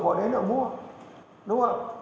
họ đến đó mua